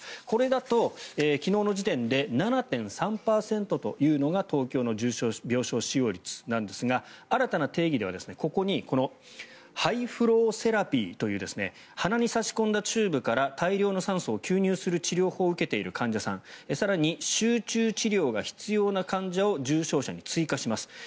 これだと昨日の時点で７．３％というのが東京の重症病床使用率なんですが新たな定義ではここにハイフローセラピーという鼻に差し込んだチューブから大量の酸素を吸入する治療を受けている患者さん更に集中治療が必要な患者さんを重症者に追加します。